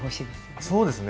ああそうですね